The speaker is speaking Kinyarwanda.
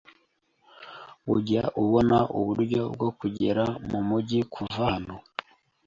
Ujya ubona uburyo bwo kugera mumujyi kuva hano?